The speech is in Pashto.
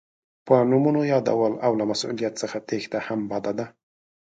په نومونو یادول او له مسؤلیت څخه تېښته هم بده ده.